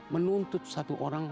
menuntut satu orang